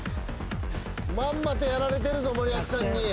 まんまとやられてるぞ森脇さんに。